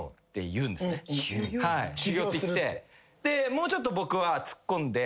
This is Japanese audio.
もうちょっと僕は突っ込んで。